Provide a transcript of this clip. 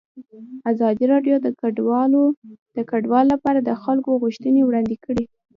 ازادي راډیو د کډوال لپاره د خلکو غوښتنې وړاندې کړي.